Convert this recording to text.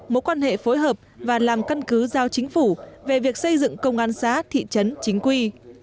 mối quan hệ phối hợp và làm căn cứ giao chính phủ về việc xây dựng công an xã thị trấn chính quy